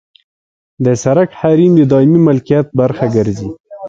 د سرک حریم د دایمي ملکیت برخه ګرځي